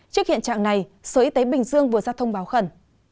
trước hiện trạng này sở y tế bình dương vừa ra thông báo khẩn